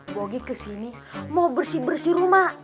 pogi ke sini mau bersih bersih rumah